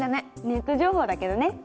ネット情報だけどね。